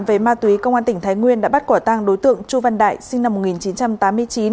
về ma túy công an tỉnh thái nguyên đã bắt quả tang đối tượng chu văn đại sinh năm một nghìn chín trăm tám mươi chín